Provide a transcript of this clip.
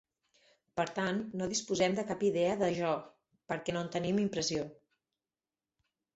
Per tant, no disposem de cap idea de jo, perquè no en tenim impressió.